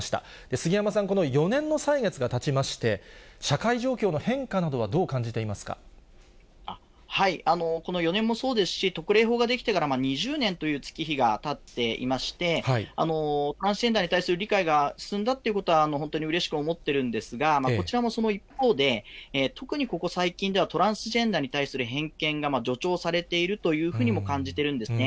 杉山さん、この４年の歳月がたちまして、社会状況の変化などはどこの４年もそうですし、特例法ができてから２０年という月日がたっていまして、トランスジェンダーに対する理解が進んだということは、本当にうれしく思ってるんですが、こちらもその一方で、特にここ最近ではトランスジェンダーに対する偏見が助長されているというふうにも感じてるんですね。